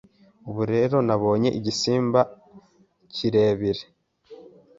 Ubu rero nabonye igisimba kirebire